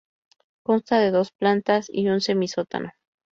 Consta de dos plantas y un semisótano.